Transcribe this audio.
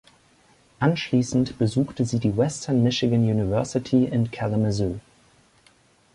Anschließend besuchte sie die Western Michigan University in Kalamazoo.